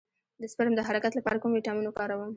د سپرم د حرکت لپاره کوم ویټامین وکاروم؟